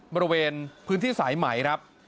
บริเวณพื้นที่สายไหมครับ